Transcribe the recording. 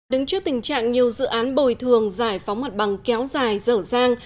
đứng trước tình trạng nhiều dự án bồi thường giải phóng mặt bằng kéo dài dở dang